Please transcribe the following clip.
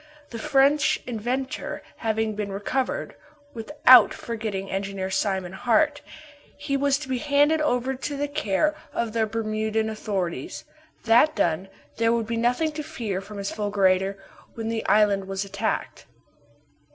The French inventor having been recovered without forgetting Engineer Simon Hart he was to be handed over to the care of the Bermudan authorities. That done, there would be nothing to fear from his fulgurator when the island was attacked.